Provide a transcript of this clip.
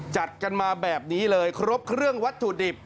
จัดกันมาแบบนี้เลยครบเครื่องวัตถุดิบ